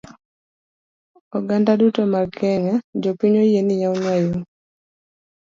Oganda duto mag kenya, jopiny oyie ni yawnwa yoo!